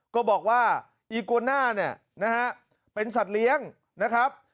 ก็บอกว่าอีโกน่าเนี่ยนะฮะเป็นสัตว์เลี้ยงนะครับ